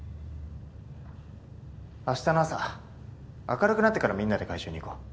明日の朝明るくなってからみんなで回収に行こう。